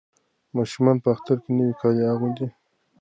ماشومان په اختر کې نوي کالي اغوندي.